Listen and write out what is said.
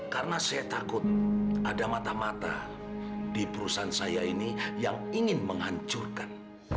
karena saya takut ada mata mata di perusahaan saya ini yang ingin menghancurkan